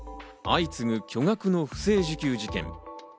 相次ぐ巨額の不正受給事件。